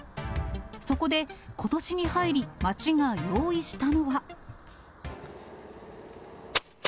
そこでことしに入り、町が用意したのは。